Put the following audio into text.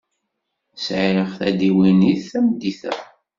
Sɛiɣ tadiwennit tameddit-a.